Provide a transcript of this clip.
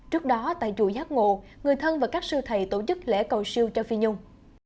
trước đó tại chùa giác ngộ người thân và các sư thầy tổ chức lễ cầu siêu cho phi nhung